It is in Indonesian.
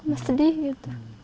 aku sedih gitu